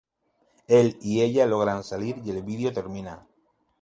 Él y ella logran salir y el video termina.